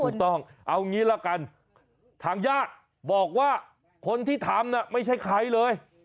ถูกต้องเอางี้ละกันทางญาติบอกว่าคนที่ทำไม่ใช่ใครเลย